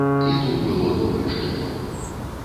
І тут было тое ж кіно.